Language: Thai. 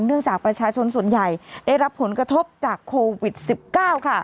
จากประชาชนส่วนใหญ่ได้รับผลกระทบจากโควิด๑๙ค่ะ